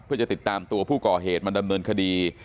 เพื่อจะติดตามตัวผู้ก่อเหตุมาดำเนินคดี